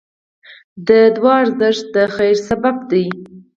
د دعا ارزښت د خیر سبب دی.